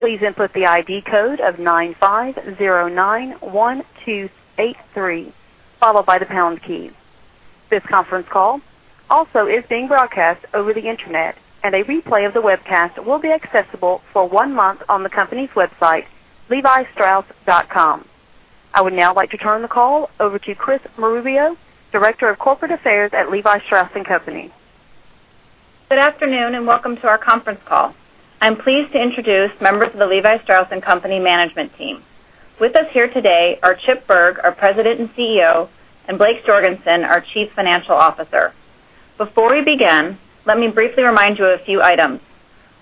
Please input the ID code of 95091283, followed by the pound key. This conference call also is being broadcast over the internet, and a replay of the webcast will be accessible for one month on the company's website, levistrauss.com. I would now like to turn the call over to Chris Nardone, Director of Corporate Affairs at Levi Strauss & Co.. Good afternoon, welcome to our conference call. I'm pleased to introduce members of the Levi Strauss & Co. management team. With us here today are Chip Bergh, our President and CEO, Blake Jorgensen, our Chief Financial Officer. Before we begin, let me briefly remind you of a few items.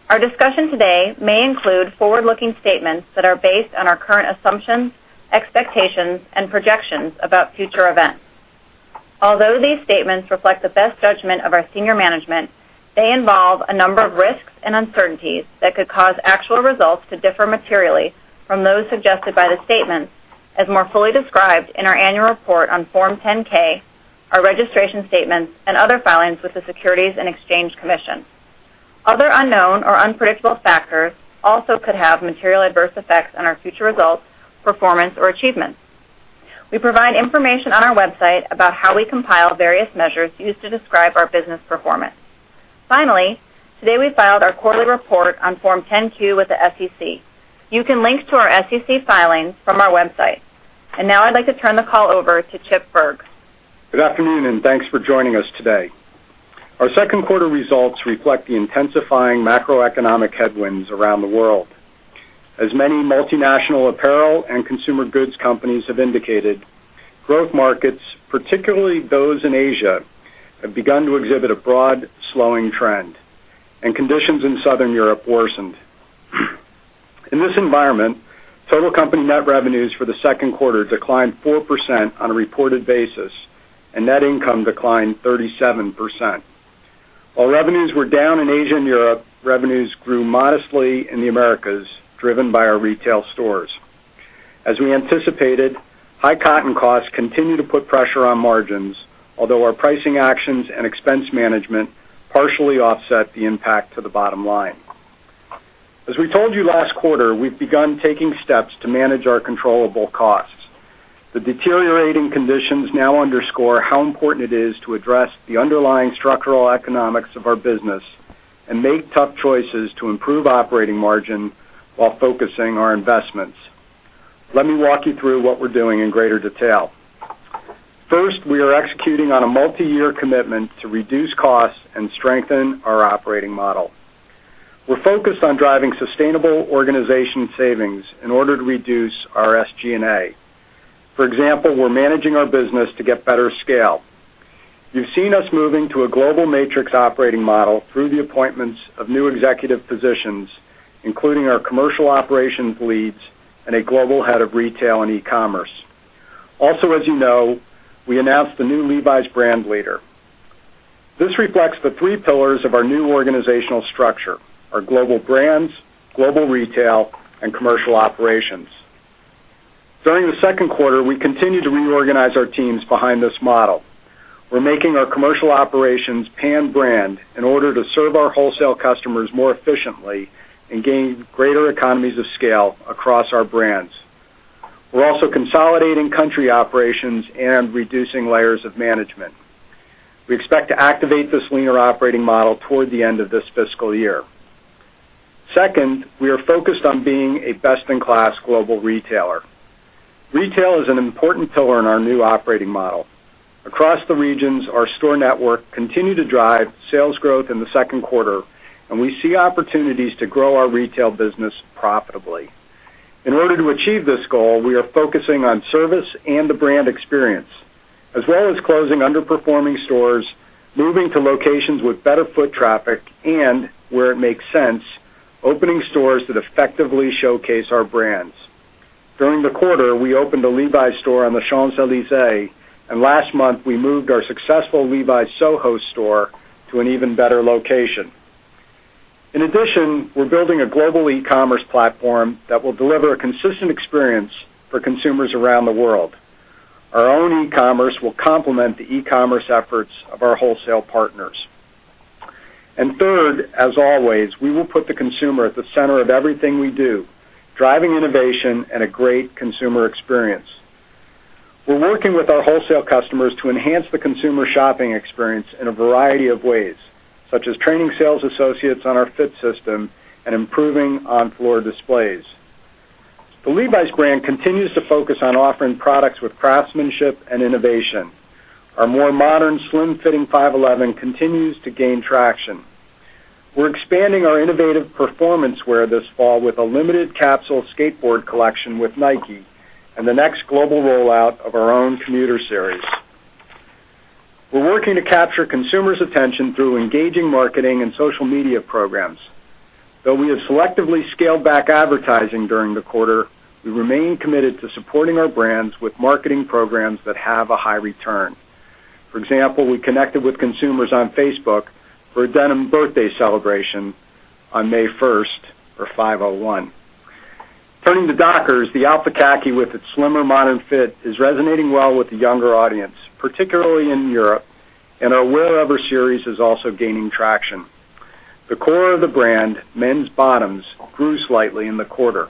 Our discussion today may include forward-looking statements that are based on our current assumptions, expectations, and projections about future events. Although these statements reflect the best judgment of our senior management, they involve a number of risks and uncertainties that could cause actual results to differ materially from those suggested by the statements, as more fully described in our annual report on Form 10-K, our registration statements, and other filings with the Securities and Exchange Commission. Other unknown or unpredictable factors also could have material adverse effects on our future results, performance, or achievements. We provide information on our website about how we compile various measures used to describe our business performance. Finally, today we filed our quarterly report on Form 10-Q with the SEC. You can link to our SEC filings from our website. Now I'd like to turn the call over to Chip Bergh. Good afternoon, thanks for joining us today. Our second quarter results reflect the intensifying macroeconomic headwinds around the world. As many multinational apparel and consumer goods companies have indicated, growth markets, particularly those in Asia, have begun to exhibit a broad slowing trend, and conditions in Southern Europe worsened. In this environment, total company net revenues for the second quarter declined 4% on a reported basis, net income declined 37%. While revenues were down in Asia and Europe, revenues grew modestly in the Americas, driven by our retail stores. As we anticipated, high cotton costs continue to put pressure on margins, although our pricing actions and expense management partially offset the impact to the bottom line. As we told you last quarter, we've begun taking steps to manage our controllable costs. The deteriorating conditions now underscore how important it is to address the underlying structural economics of our business and make tough choices to improve operating margin while focusing our investments. Let me walk you through what we're doing in greater detail. First, we are executing on a multi-year commitment to reduce costs and strengthen our operating model. We're focused on driving sustainable organization savings in order to reduce our SG&A. For example, we're managing our business to get better scale. You've seen us moving to a global matrix operating model through the appointments of new executive positions, including our commercial operations leads and a global head of retail and e-commerce. Also, as you know, we announced the new Levi's brand leader. This reflects the three pillars of our new organizational structure, our global brands, global retail, and commercial operations. During the second quarter, we continued to reorganize our teams behind this model. We're making our commercial operations pan-brand in order to serve our wholesale customers more efficiently and gain greater economies of scale across our brands. We're also consolidating country operations and reducing layers of management. We expect to activate this linear operating model toward the end of this fiscal year. Second, we are focused on being a best-in-class global retailer. Retail is an important pillar in our new operating model. Across the regions, our store network continued to drive sales growth in the second quarter, and we see opportunities to grow our retail business profitably. In order to achieve this goal, we are focusing on service and the brand experience, as well as closing underperforming stores, moving to locations with better foot traffic, and where it makes sense, opening stores that effectively showcase our brands. During the quarter, we opened a Levi's store on the Champs-Élysées. Last month, we moved our successful Levi's Soho store to an even better location. In addition, we're building a global e-commerce platform that will deliver a consistent experience for consumers around the world. Our own e-commerce will complement the e-commerce efforts of our wholesale partners. Third, as always, we will put the consumer at the center of everything we do, driving innovation and a great consumer experience. We're working with our wholesale customers to enhance the consumer shopping experience in a variety of ways, such as training sales associates on our fit system and improving on-floor displays. The Levi's brand continues to focus on offering products with craftsmanship and innovation. Our more modern slim-fitting 511 continues to gain traction. We're expanding our innovative performance wear this fall with a limited capsule skateboard collection with Nike and the next global rollout of our own commuter series. We're working to capture consumers' attention through engaging marketing and social media programs. Though we have selectively scaled back advertising during the quarter, we remain committed to supporting our brands with marketing programs that have a high return. For example, we connected with consumers on Facebook for a denim birthday celebration on May 1st for 501. Turning to Dockers, the Alpha Khaki, with its slimmer modern fit, is resonating well with the younger audience, particularly in Europe, and our WearEver series is also gaining traction. The core of the brand, men's bottoms, grew slightly in the quarter.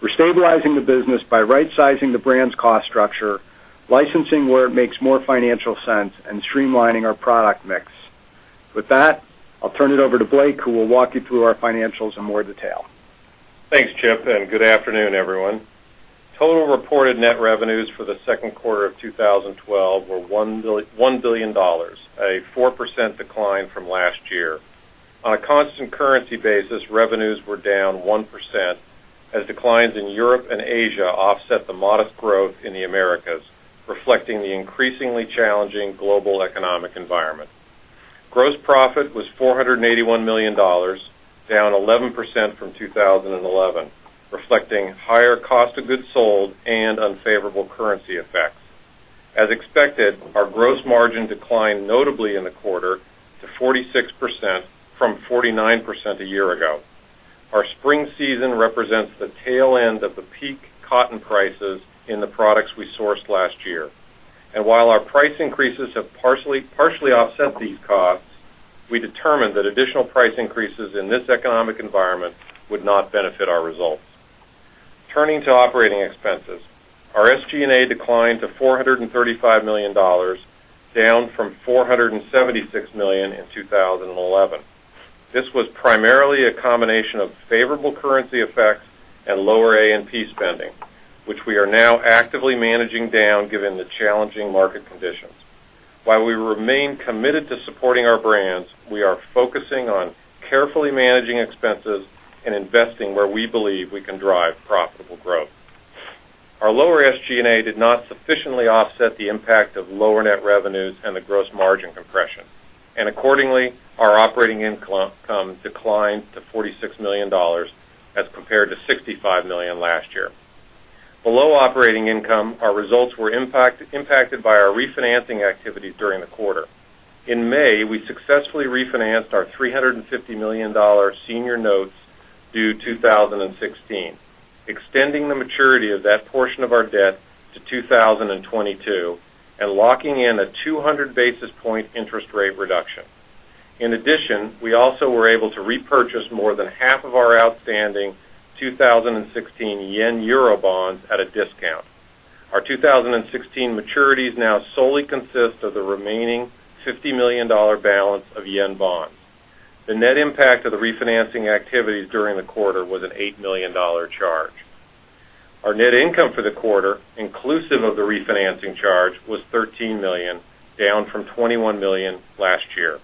We're stabilizing the business by right-sizing the brand's cost structure, licensing where it makes more financial sense, and streamlining our product mix. With that, I'll turn it over to Blake, who will walk you through our financials in more detail. Thanks, Chip. Good afternoon, everyone. Total reported net revenues for the second quarter of 2012 were $1 billion, a 4% decline from last year. On a constant currency basis, revenues were down 1%, as declines in Europe and Asia offset the modest growth in the Americas, reflecting the increasingly challenging global economic environment. Gross profit was $481 million, down 11% from 2011, reflecting higher cost of goods sold and unfavorable currency effects. As expected, our gross margin declined notably in the quarter to 46% from 49% a year ago. Our spring season represents the tail end of the peak cotton prices in the products we sourced last year. While our price increases have partially offset these costs, we determined that additional price increases in this economic environment would not benefit our results. Turning to operating expenses, our SG&A declined to $435 million, down from $476 million in 2011. This was primarily a combination of favorable currency effects and lower A&P spending, which we are now actively managing down, given the challenging market conditions. While we remain committed to supporting our brands, we are focusing on carefully managing expenses and investing where we believe we can drive profitable growth. Our lower SG&A did not sufficiently offset the impact of lower net revenues and the gross margin compression. Accordingly, our operating income declined to $46 million as compared to $65 million last year. Below operating income, our results were impacted by our refinancing activities during the quarter. In May, we successfully refinanced our $350 million senior notes due 2016, extending the maturity of that portion of our debt to 2022 and locking in a 200-basis point interest rate reduction. In addition, we also were able to repurchase more than half of our outstanding 2016 yen euro bonds at a discount. Our 2016 maturities now solely consist of the remaining $50 million balance of yen bonds. The net impact of the refinancing activities during the quarter was an $8 million charge. Our net income for the quarter, inclusive of the refinancing charge, was $13 million, down from $21 million last year.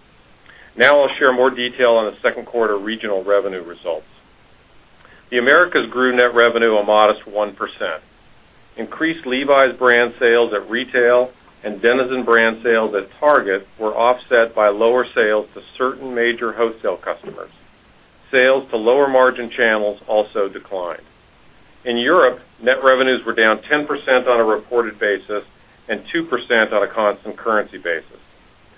Now I'll share more detail on the second quarter regional revenue results. The Americas grew net revenue a modest 1%. Increased Levi's brand sales at retail and Denizen brand sales at Target were offset by lower sales to certain major wholesale customers. Sales to lower-margin channels also declined. In Europe, net revenues were down 10% on a reported basis and 2% on a constant currency basis.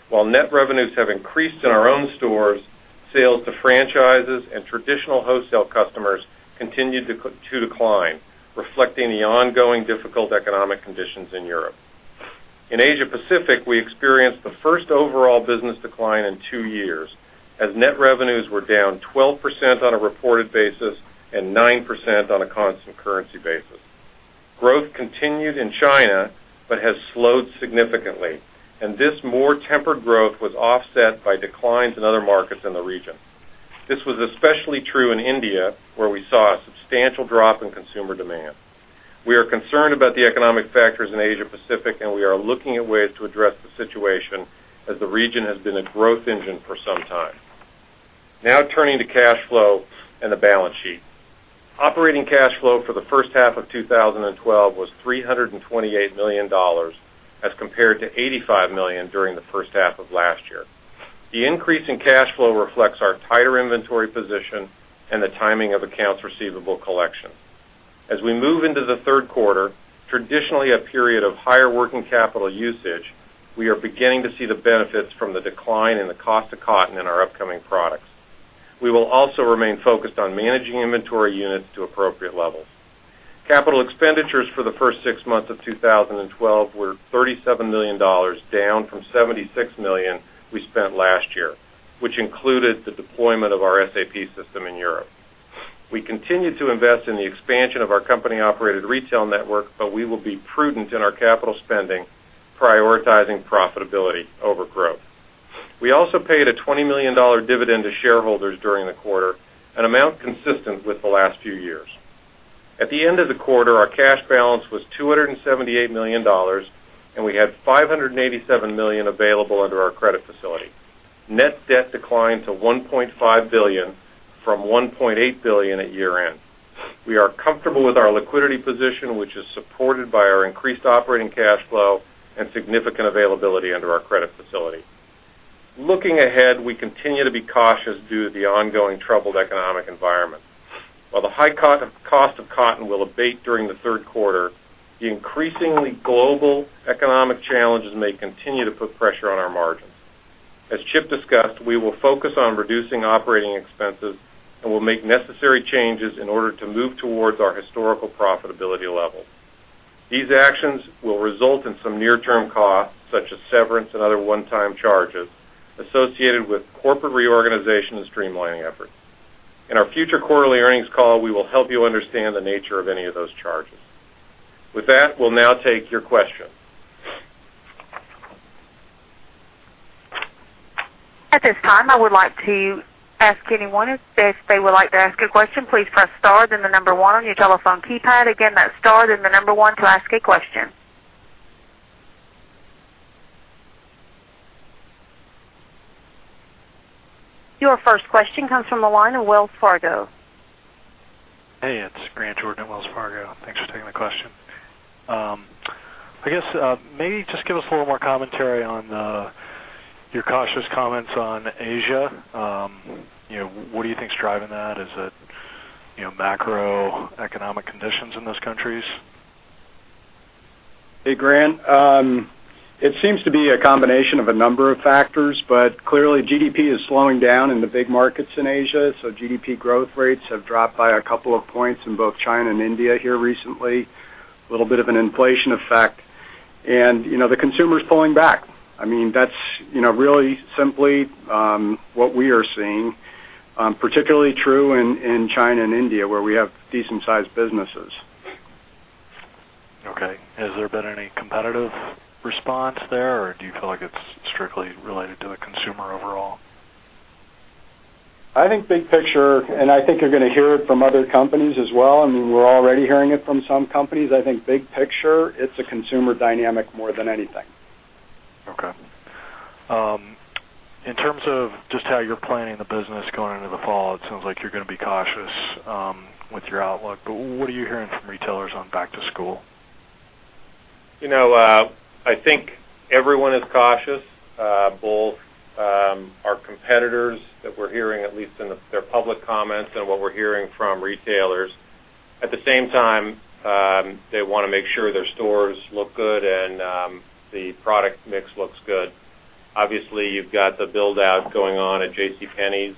While net revenues have increased in our own stores, sales to franchises and traditional wholesale customers continued to decline, reflecting the ongoing difficult economic conditions in Europe. In Asia Pacific, we experienced the first overall business decline in two years, as net revenues were down 12% on a reported basis and 9% on a constant currency basis. Growth continued in China, but has slowed significantly, and this more tempered growth was offset by declines in other markets in the region. This was especially true in India, where we saw a substantial drop in consumer demand. We are concerned about the economic factors in Asia Pacific, and we are looking at ways to address the situation, as the region has been a growth engine for some time. Now turning to cash flow and the balance sheet. Operating cash flow for the first half of 2012 was $328 million as compared to $85 million during the first half of last year. The increase in cash flow reflects our tighter inventory position and the timing of accounts receivable collection. As we move into the third quarter, traditionally a period of higher working capital usage, we are beginning to see the benefits from the decline in the cost of cotton in our upcoming products. We will also remain focused on managing inventory units to appropriate levels. Capital expenditures for the first six months of 2012 were $37 million, down from $76 million we spent last year, which included the deployment of our SAP system in Europe. We continue to invest in the expansion of our company-operated retail network, we will be prudent in our capital spending, prioritizing profitability over growth. We also paid a $20 million dividend to shareholders during the quarter, an amount consistent with the last few years. At the end of the quarter, our cash balance was $278 million, and we had $587 million available under our credit facility. Net debt declined to $1.5 billion from $1.8 billion at year-end. We are comfortable with our liquidity position, which is supported by our increased operating cash flow and significant availability under our credit facility. Looking ahead, we continue to be cautious due to the ongoing troubled economic environment. While the high cost of cotton will abate during the third quarter, the increasingly global economic challenges may continue to put pressure on our margins. As Chip discussed, we will focus on reducing operating expenses we'll make necessary changes in order to move towards our historical profitability level. These actions will result in some near-term costs, such as severance and other one-time charges associated with corporate reorganization and streamlining efforts. In our future quarterly earnings call, we will help you understand the nature of any of those charges. With that, we'll now take your question. At this time, I would like to ask anyone, if they would like to ask a question, please press star, then the number one on your telephone keypad. Again, that's star, then the number one to ask a question. Your first question comes from the line of Wells Fargo. Hey, it's Grant Jordan at Wells Fargo. Thanks for taking the question. I guess, maybe just give us a little more commentary on your cautious comments on Asia. What do you think is driving that? Is it macro-economic conditions in those countries? Hey, Grant. It seems to be a combination of a number of factors, clearly GDP is slowing down in the big markets in Asia. GDP growth rates have dropped by a couple of points in both China and India here recently. A little bit of an inflation effect. The consumer's pulling back. That's really simply what we are seeing. Particularly true in China and India, where we have decent sized businesses. Okay. Has there been any competitive response there, or do you feel like it's strictly related to the consumer overall? I think big picture, I think you're going to hear it from other companies as well. We're already hearing it from some companies. I think big picture, it's a consumer dynamic more than anything. Okay. In terms of just how you're planning the business going into the fall, it sounds like you're going to be cautious with your outlook. What are you hearing from retailers on back to school? I think everyone is cautious. Both our competitors that we're hearing, at least in their public comments, and what we're hearing from retailers. At the same time, they want to make sure their stores look good and the product mix looks good. Obviously, you've got the build-out going on at JCPenney,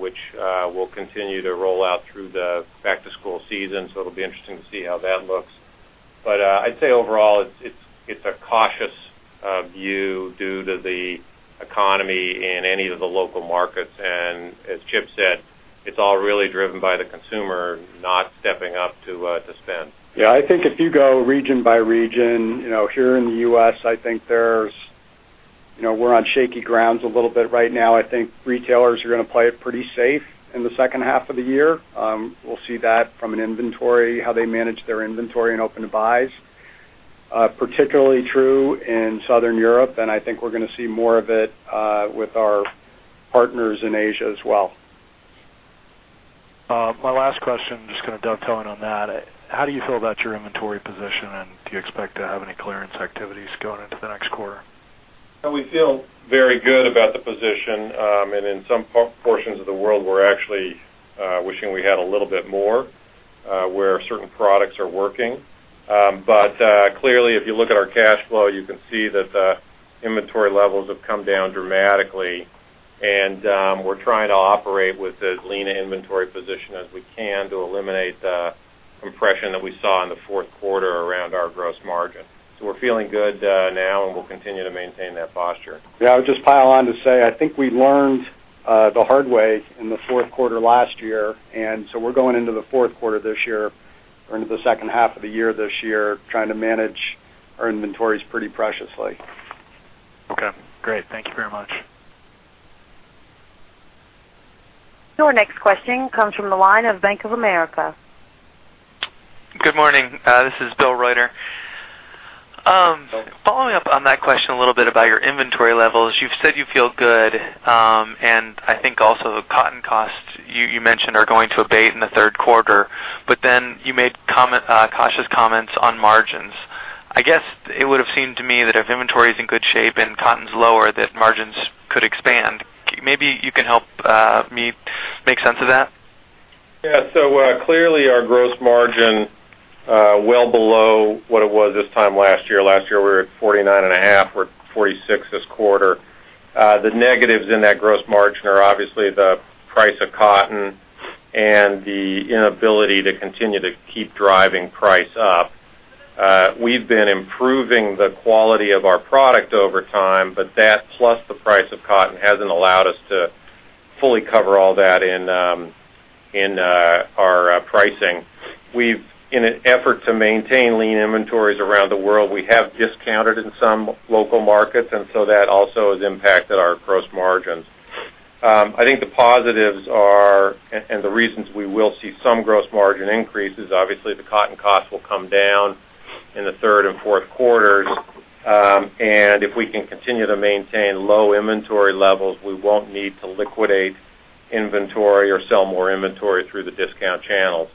which will continue to roll out through the back to school season. It'll be interesting to see how that looks. I'd say overall, it's a cautious view due to the economy in any of the local markets. As Chip said, it's all really driven by the consumer not stepping up to spend. Yeah, I think if you go region by region, here in the U.S., I think we're on shaky grounds a little bit right now. I think retailers are going to play it pretty safe in the second half of the year. We'll see that from an inventory, how they manage their inventory and open to buys. Particularly true in Southern Europe, I think we're going to see more of it with our partners in Asia as well. My last question, just kind of dovetailing on that. How do you feel about your inventory position, and do you expect to have any clearance activities going into the next quarter? We feel very good about the position. In some portions of the world, we're actually wishing we had a little bit more where certain products are working. Clearly, if you look at our cash flow, you can see that the inventory levels have come down dramatically. We're trying to operate with as lean an inventory position as we can to eliminate the compression that we saw in the fourth quarter around our gross margin. We're feeling good now, and we'll continue to maintain that posture. Yeah, I would just pile on to say, I think we learned the hard way in the fourth quarter last year. We're going into the fourth quarter this year or into the second half of the year this year trying to manage our inventories pretty preciously. Okay, great. Thank you very much. Your next question comes from the line of Bank of America. Good morning. This is Bill Reuter. Bill. Following up on that question a little bit about your inventory levels. You've said you feel good, I think also the cotton costs you mentioned are going to abate in the third quarter. You made cautious comments on margins. I guess it would have seemed to me that if inventory is in good shape and cotton's lower, that margins could expand. Maybe you can help me make sense of that. Yeah. Clearly our gross margin, well below what it was this time last year. Last year we were at 49.5%. We're 46% this quarter. The negatives in that gross margin are obviously the price of cotton and the inability to continue to keep driving price up. We've been improving the quality of our product over time. That, plus the price of cotton, hasn't allowed us to fully cover all that in our pricing. In an effort to maintain lean inventories around the world, we have discounted in some local markets. That also has impacted our gross margins. I think the positives are, the reasons we will see some gross margin increase is obviously the cotton cost will come down in the third and fourth quarters. If we can continue to maintain low inventory levels, we won't need to liquidate inventory or sell more inventory through the discount channels.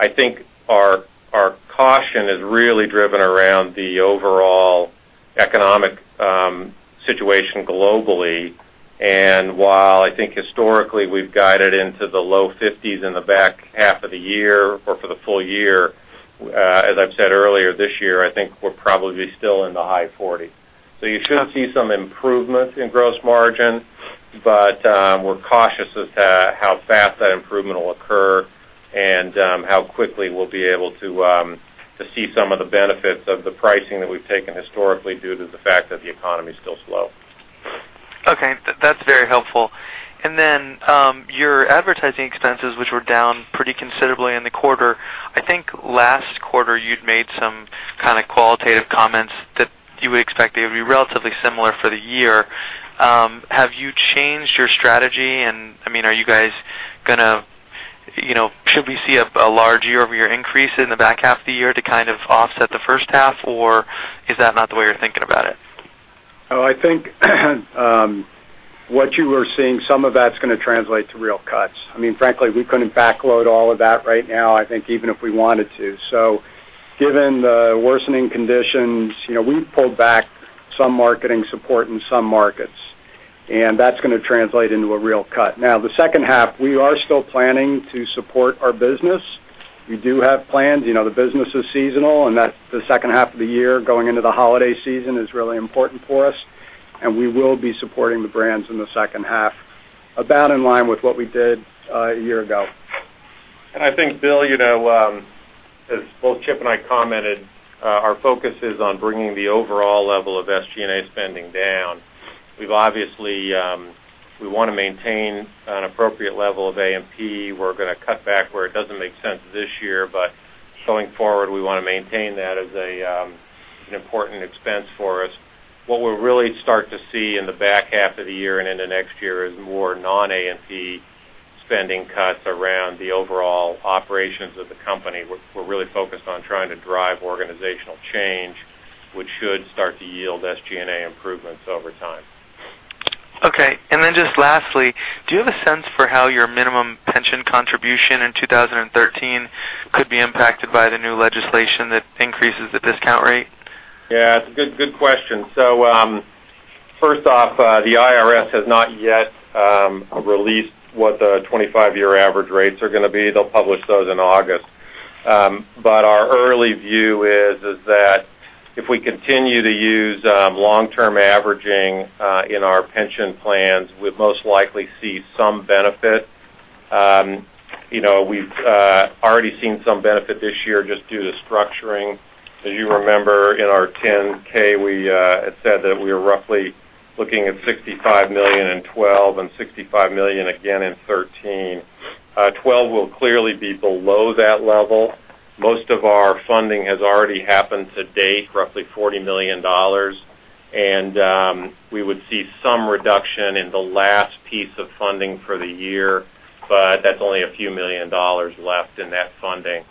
I think our caution is really driven around the overall economic situation globally. While I think historically we've guided into the low 50s in the back half of the year or for the full year As I've said earlier this year, I think we'll probably be still in the high 40s. You should see some improvements in gross margin, but we're cautious as to how fast that improvement will occur and how quickly we'll be able to see some of the benefits of the pricing that we've taken historically due to the fact that the economy is still slow. Okay. That's very helpful. Your advertising expenses, which were down pretty considerably in the quarter. I think last quarter you'd made some kind of qualitative comments that you would expect they would be relatively similar for the year. Have you changed your strategy? Should we see a large year-over-year increase in the back half of the year to kind of offset the first half, or is that not the way you're thinking about it? I think what you are seeing, some of that's going to translate to real cuts. Frankly, we couldn't backload all of that right now, I think, even if we wanted to. Given the worsening conditions, we've pulled back some marketing support in some markets, and that's going to translate into a real cut. The second half, we are still planning to support our business. We do have plans. The business is seasonal, and the second half of the year, going into the holiday season is really important for us, and we will be supporting the brands in the second half, about in line with what we did a year ago. I think, Bill, as both Chip and I commented, our focus is on bringing the overall level of SG&A spending down. We want to maintain an appropriate level of A&P. We're going to cut back where it doesn't make sense this year, going forward, we want to maintain that as an important expense for us. What we'll really start to see in the back half of the year and into next year is more non-A&P spending cuts around the overall operations of the company. We're really focused on trying to drive organizational change, which should start to yield SG&A improvements over time. Okay. Then just lastly, do you have a sense for how your minimum pension contribution in 2013 could be impacted by the new legislation that increases the discount rate? Yeah, it's a good question. First off, the IRS has not yet released what the 25-year average rates are going to be. They'll publish those in August. Our early view is that if we continue to use long-term averaging in our pension plans, we'd most likely see some benefit. We've already seen some benefit this year just due to structuring. As you remember, in our 10-K, we had said that we were roughly looking at $65 million in 2012 and $65 million again in 2013. 2012 will clearly be below that level. Most of our funding has already happened to date, roughly $40 million. We would see some reduction in the last piece of funding for the year, but that's only a few million dollars left in that funding.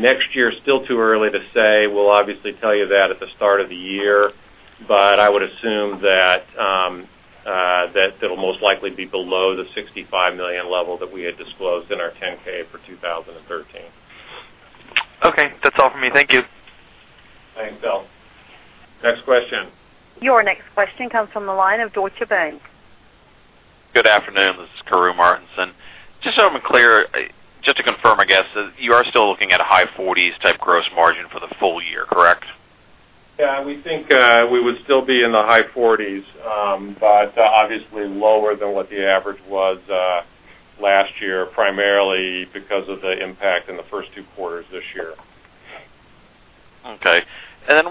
Next year, still too early to say. We'll obviously tell you that at the start of the year. I would assume that it'll most likely be below the $65 million level that we had disclosed in our 10-K for 2013. Okay. That's all for me. Thank you. Thanks, Bill. Next question. Your next question comes from the line of Deutsche Bank. Good afternoon, this is Keary Martinson. Just so I'm clear, just to confirm, I guess, you are still looking at a high 40s type gross margin for the full year, correct? Yeah, we think we would still be in the high 40s, but obviously lower than what the average was last year, primarily because of the impact in the first two quarters this year. Okay.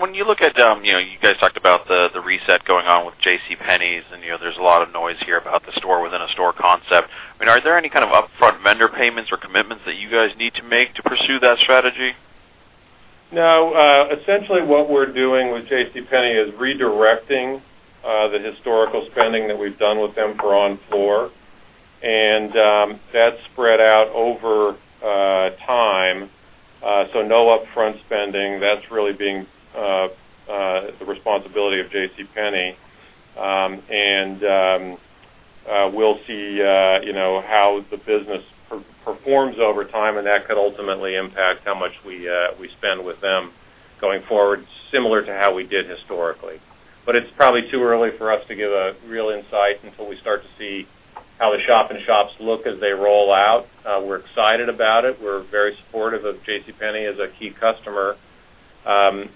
When you look at, you guys talked about the reset going on with JCPenney, and there's a lot of noise here about the store-within-a-store concept. Are there any kind of upfront vendor payments or commitments that you guys need to make to pursue that strategy? No, essentially what we're doing with JCPenney is redirecting the historical spending that we've done with them for on-floor, that's spread out over time. No upfront spending. That's really being the responsibility of JCPenney. We'll see how the business performs over time, that could ultimately impact how much we spend with them going forward, similar to how we did historically. It's probably too early for us to give a real insight until we start to see how the shop-in-shops look as they roll out. We're excited about it. We're very supportive of JCPenney as a key customer. We'll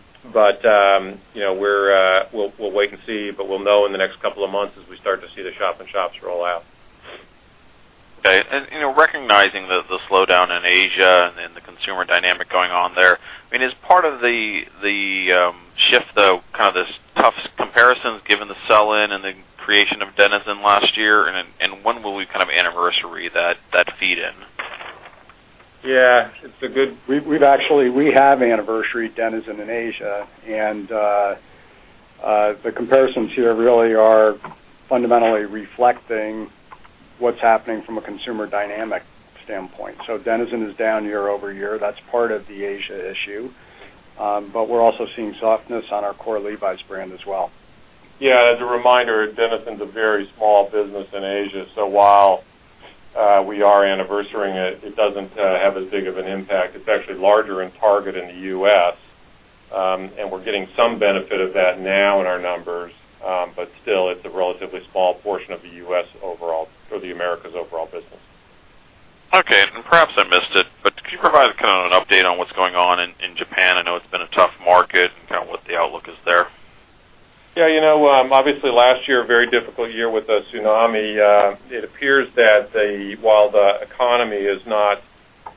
wait and see, but we'll know in the next couple of months as we start to see the shop-in-shops roll out. Okay. Recognizing the slowdown in Asia and the consumer dynamic going on there, is part of the shift, though, kind of this tough comparisons given the sell-in and the creation of Denizen last year, when will we kind of anniversary that feed in? Yeah. We have anniversaried Denizen in Asia, the comparisons here really are fundamentally reflecting what's happening from a consumer dynamic standpoint. Denizen is down year-over-year. That's part of the Asia issue. We're also seeing softness on our core Levi's brand as well. Yeah. As a reminder, Denizen's a very small business in Asia, so while we are anniversarying it doesn't have as big of an impact. It's actually larger in Target in the U.S. We're getting some benefit of that now in our numbers. Still, it's a relatively small portion of the U.S. overall, or the Americas overall business. Okay. Perhaps I missed it, but could you provide an update on what's going on in Japan? I know it's been a tough market, and what the outlook is there. Yeah. Obviously, last year, a very difficult year with the tsunami. It appears that while the economy has not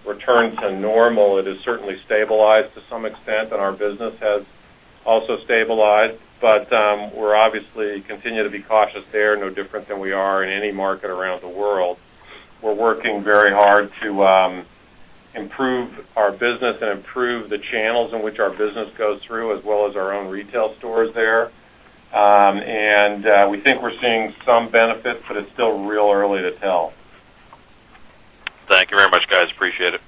returned to normal, it has certainly stabilized to some extent, and our business has also stabilized. We obviously continue to be cautious there. No different than we are in any market around the world. We're working very hard to improve our business and improve the channels in which our business goes through, as well as our own retail stores there. We think we're seeing some benefit, but it's still real early to tell. Thank you very much, guys. Appreciate it.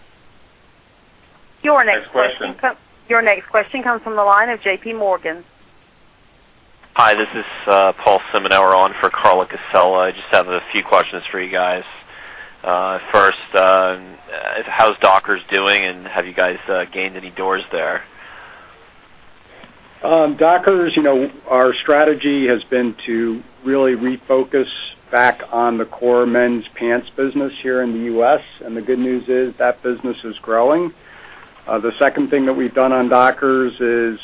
Your next question. Next question. Your next question comes from the line of J.P. Morgan. Hi, this is Paul Simon. I'm on for Carla Casella. I just have a few questions for you guys. First, how's Dockers doing, and have you guys gained any doors there? Dockers, our strategy has been to really refocus back on the core men's pants business here in the U.S. The good news is that business is growing. The second thing that we've done on Dockers is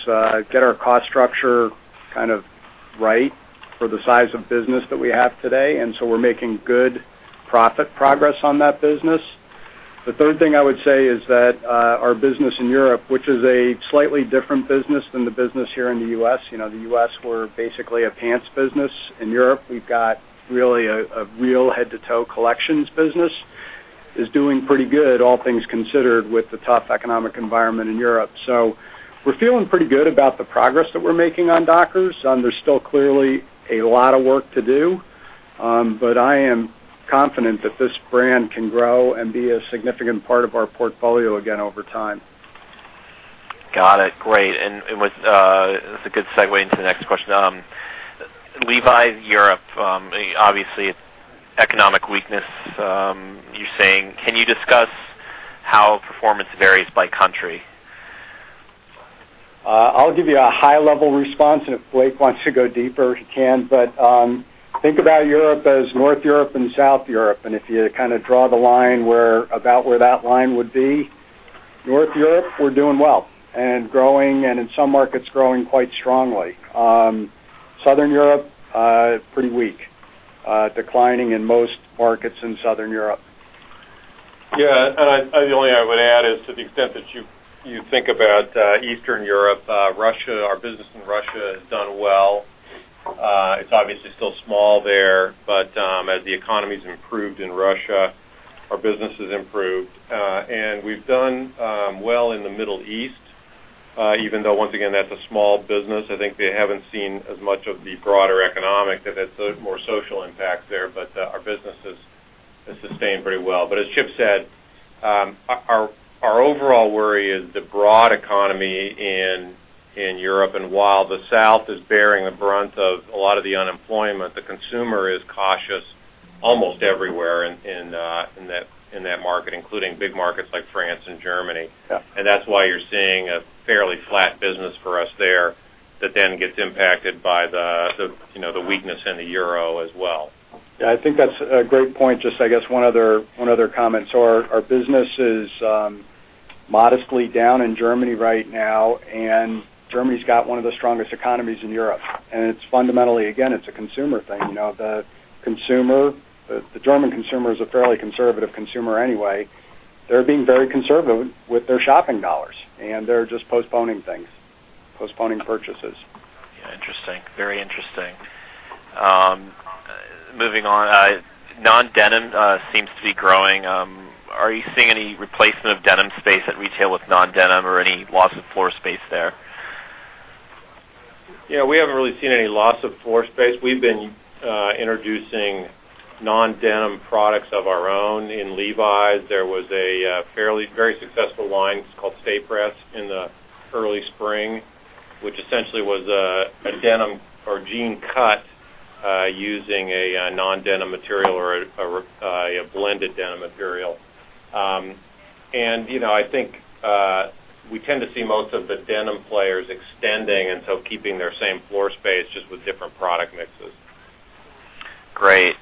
get our cost structure right for the size of business that we have today. We're making good profit progress on that business. The third thing I would say is that our business in Europe, which is a slightly different business than the business here in the U.S. The U.S., we're basically a pants business. In Europe, we've got really a real head-to-toe collections business, is doing pretty good, all things considered, with the tough economic environment in Europe. We're feeling pretty good about the progress that we're making on Dockers. There's still clearly a lot of work to do. I am confident that this brand can grow and be a significant part of our portfolio again over time. Got it. Great. It was a good segue into the next question. Levi's Europe, obviously, economic weakness, you're saying. Can you discuss how performance varies by country? I'll give you a high-level response, and if Blake wants to go deeper, he can. Think about Europe as North Europe and South Europe. If you draw the line where about where that line would be, North Europe, we're doing well and growing, and in some markets, growing quite strongly. Southern Europe, pretty weak. Declining in most markets in Southern Europe. The only I would add is to the extent that you think about Eastern Europe, Russia, our business in Russia has done well. It's obviously still small there, but as the economy's improved in Russia, our business has improved. We've done well in the Middle East, even though, once again, that's a small business. I think they haven't seen as much of the broader economic. They've had more social impact there, but our business has sustained very well. As Chip said, our overall worry is the broad economy in Europe. While the South is bearing the brunt of a lot of the unemployment, the consumer is cautious almost everywhere in that market, including big markets like France and Germany. Yeah. That's why you're seeing a fairly flat business for us there that then gets impacted by the weakness in the euro as well. I think that's a great point. Just, I guess one other comment. Our business is modestly down in Germany right now, and Germany's got one of the strongest economies in Europe. It's fundamentally, again, it's a consumer thing. The German consumer is a fairly conservative consumer anyway. They're being very conservative with their shopping dollars, and they're just postponing things, postponing purchases. Yeah. Interesting. Very interesting. Moving on. Non-denim seems to be growing. Are you seeing any replacement of denim space at retail with non-denim or any loss of floor space there? Yeah, we haven't really seen any loss of floor space. We've been introducing non-denim products of our own. In Levi's, there was a very successful line called Sta-Prest in the early spring, which essentially was a denim or jean cut, using a non-denim material or a blended denim material. I think we tend to see most of the denim players extending and so keeping their same floor space, just with different product mixes. Great.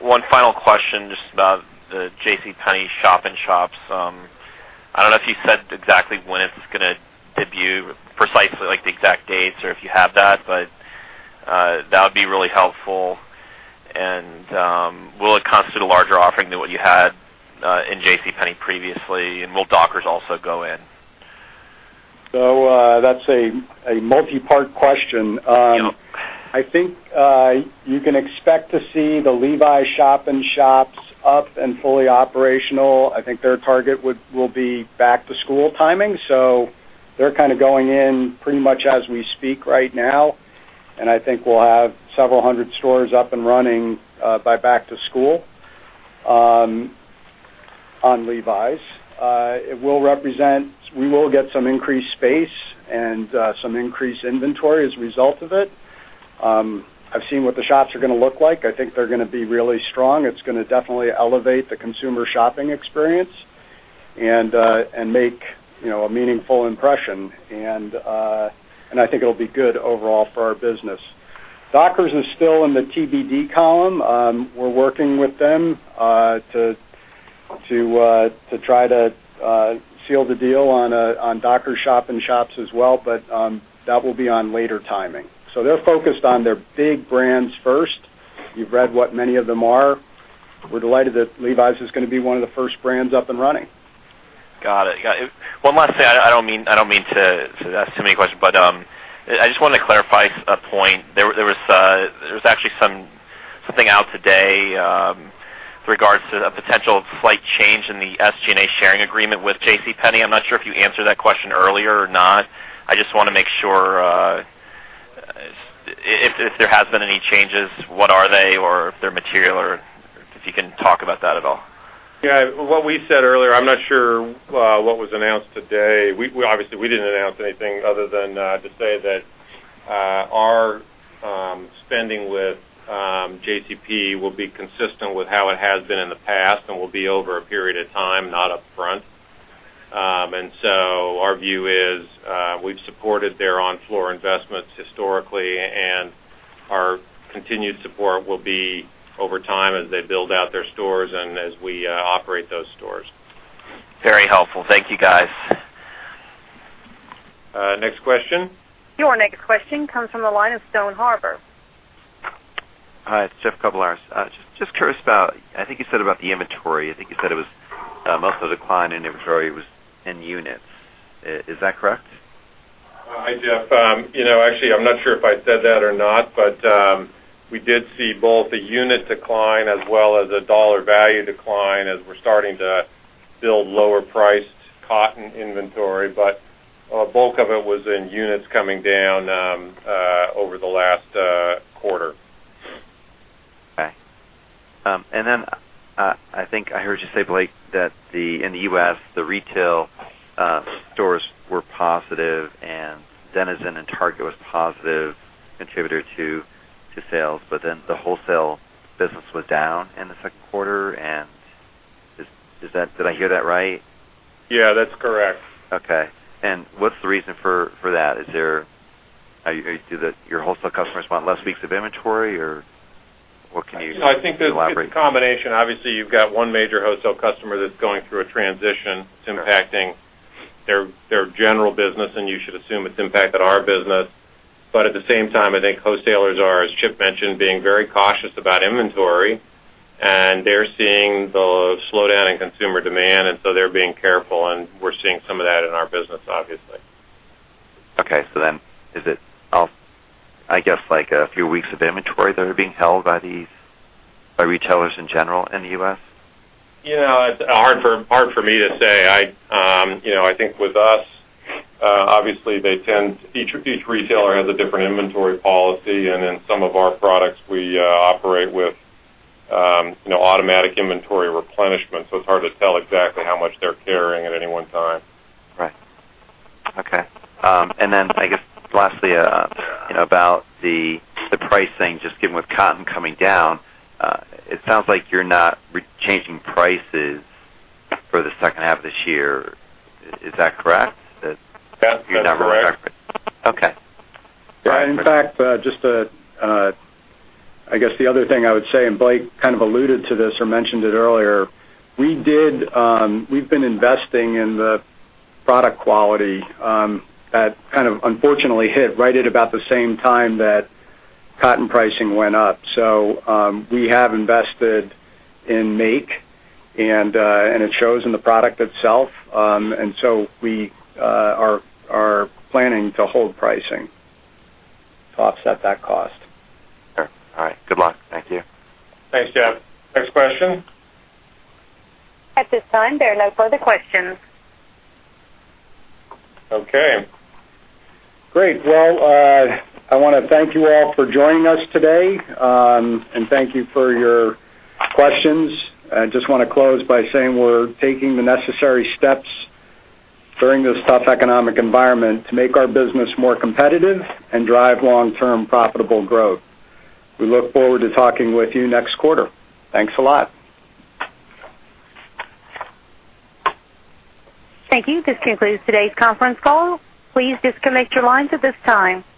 One final question, just about the JCPenney shop-in-shops. I don't know if you said exactly when it's going to debut precisely, like the exact dates or if you have that, but that would be really helpful. Will it constitute a larger offering than what you had in JCPenney previously, and will Dockers also go in? That's a multi-part question. Yep. I think you can expect to see the Levi's shop-in-shops up and fully operational. I think their target will be back-to-school timing, so they're kind of going in pretty much as we speak right now, and I think we'll have several hundred stores up and running by back-to-school on Levi's. We will get some increased space and some increased inventory as a result of it. I've seen what the shops are going to look like. I think they're going to be really strong. It's going to definitely elevate the consumer shopping experience and make a meaningful impression. I think it'll be good overall for our business. Dockers is still in the TBD column. We're working with them to try to seal the deal on Dockers shop-in-shops as well, that will be on later timing. They're focused on their big brands first. You've read what many of them are. We're delighted that Levi's is going to be one of the first brands up and running. Got it. Well, one last thing. I don't mean to ask too many questions, I just wanted to clarify a point. There was actually something out today with regards to a potential slight change in the SG&A sharing agreement with JCPenney. I'm not sure if you answered that question earlier or not. I just want to make sure if there has been any changes, what are they? Or if they're material, or if you can talk about that at all. Yeah. What we said earlier, I'm not sure what was announced today. Obviously, we didn't announce anything other than to say that our spending with JCP will be consistent with how it has been in the past and will be over a period of time, not upfront. Our view is we've supported their on-floor investments historically, and our continued support will be over time as they build out their stores and as we operate those stores. Very helpful. Thank you, guys. Next question. Your next question comes from the line of Stone Harbor. Hi, it's Jeff Kiedaisch. Just curious about, I think you said about the inventory. I think you said most of the decline in inventory was in units. Is that correct? Hi, Jeff. Actually, I'm not sure if I said that or not, we did see both a unit decline as well as a dollar value decline as we're starting to build lower priced cotton inventory. A bulk of it was in units coming down over the last quarter. Okay. I think I heard you say, Blake, that in the U.S., the retail stores were positive Denizen and Target was positive contributor to sales. The wholesale business was down in the second quarter. Did I hear that right? Yeah, that's correct. Okay. What's the reason for that? Is it your wholesale customers want less weeks of inventory? What can you elaborate? No, I think it's a combination. Obviously, you've got one major wholesale customer that's going through a transition. It's impacting their general business, and you should assume it's impacted our business. At the same time, I think wholesalers are, as Chip mentioned, being very cautious about inventory, and they're seeing the slowdown in consumer demand, and so they're being careful, and we're seeing some of that in our business, obviously. Okay. Is it, I guess a few weeks of inventory that are being held by retailers in general in the U.S.? It's hard for me to say. I think with us, obviously, each retailer has a different inventory policy, and in some of our products, we operate with automatic inventory replenishment. It's hard to tell exactly how much they're carrying at any one time. Right. Okay. I guess lastly about the pricing, just given with cotton coming down, it sounds like you're not changing prices for the second half of this year. Is that correct? That's correct. Okay. In fact, I guess the other thing I would say, Blake kind of alluded to this or mentioned it earlier, we've been investing in the product quality that unfortunately hit right at about the same time that cotton pricing went up. We have invested in make, and it shows in the product itself. We are planning to hold pricing to offset that cost. Sure. All right. Good luck. Thank you. Thanks, Jeff. Next question. At this time, there are no further questions. Okay. Great. I want to thank you all for joining us today and thank you for your questions. I just want to close by saying we're taking the necessary steps during this tough economic environment to make our business more competitive and drive long-term profitable growth. We look forward to talking with you next quarter. Thanks a lot. Thank you. This concludes today's conference call. Please disconnect your lines at this time.